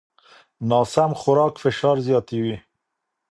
ناسم خوراک فشار زیاتوي.